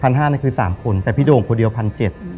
ห้านี่คือสามคนแต่พี่โด่งคนเดียวพันเจ็ด